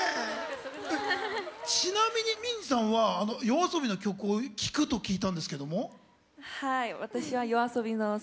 ちなみにＭＩＮＪＩさんはＹＯＡＳＯＢＩの曲を聴くと聞いたんですけども。